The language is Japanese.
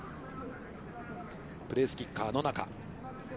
プレースキッカー、野中。